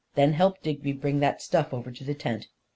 Then help Digby bring that stuff over to the tent.